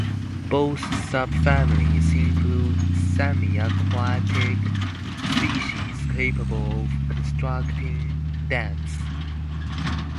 Both subfamilies include semiaquatic species capable of constructing dams.